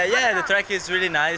ya tracknya sangat bagus